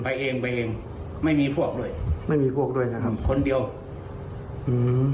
ไปเองไปเองไม่มีพวกด้วยไม่มีพวกด้วยนะครับทำคนเดียวอืม